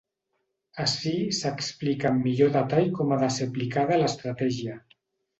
Ací s'explica amb millor detall com ha de ser aplicada l'estratègia.